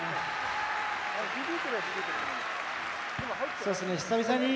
そうですね、久々に。